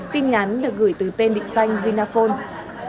tin nhắn được gửi từ tên định danh vinaphone